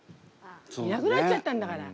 いなくなっちゃったんだから。